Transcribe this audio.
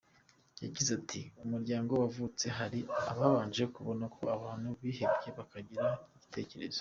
Yagize ati “Umuryango wavutse hari ababanje kubona ko abantu bihebye bakagira igitekerezo.